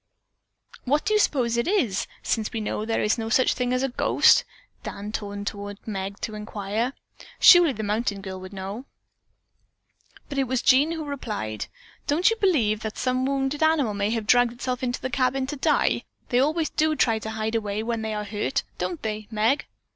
"What do you suppose it is, since we know there is no such thing as a ghost?" Dan turned toward Meg to inquire. Surely the mountain girl would know. But it was Jean who replied: "Don't you believe that some wounded animal may have dragged itself into the cabin to die? They always do try to hide away when they are hurt, don't they, Meg?"